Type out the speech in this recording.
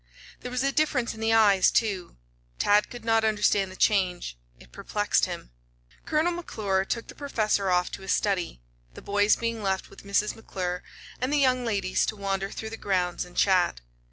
There was a difference in the eyes, too. Tad could not understand the change. It perplexed him. Colonel McClure took the Professor off to his study, the boys being left with Mrs. McClure and the young ladies to wander through the grounds and chat.